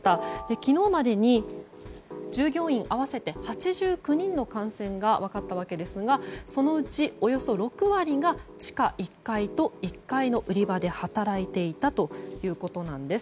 昨日までに従業員合わせて８９人の感染が分かったわけですがそのうち、およそ６割が地下１階と１階の売り場で働いていたということです。